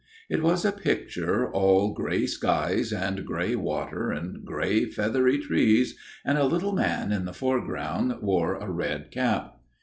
It was a picture all grey skies and grey water and grey feathery trees, and a little man in the foreground wore a red cap.